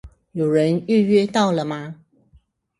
有人預約到了嗎？